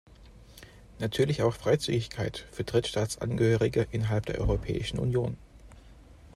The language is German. Natürlich auch Freizügigkeit für Drittstaatsangehörige innerhalb der Europäischen Union.